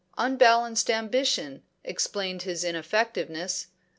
Unbalanced ambition explained his ineffectiveness.